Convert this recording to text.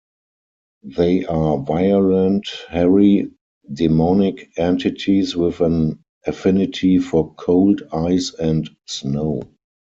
They are violent, hairy, demonic entities with an affinity for cold, ice, and snow.